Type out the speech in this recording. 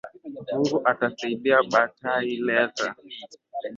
Mungu ata saidia batai leta